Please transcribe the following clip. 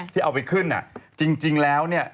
ที่เอาไปขึ้นจริงแล้วเนี่ย